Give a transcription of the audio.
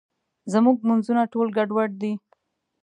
زموږ مونځونه ټول ګډوډ دي.